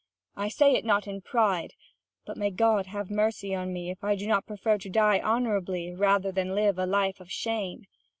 I say it not in pride: but may God have mercy on me if I do not prefer to die honourably rather than live a life of shame!